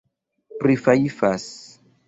prifajfas